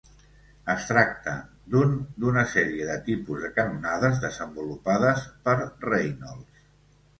Es tracta d'un d'una sèrie de tipus de canonades desenvolupades per Reynolds.